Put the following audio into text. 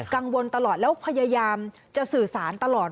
กังวลตลอดแล้วพยายามจะสื่อสารตลอด